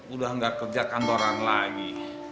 udah nggak kerja kantoran lagi